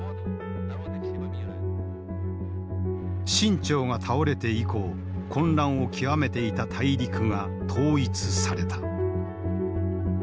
清朝が倒れて以降混乱を極めていた大陸が統一された。